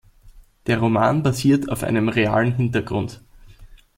Der Roman basiert auf einem realen Hintergrund.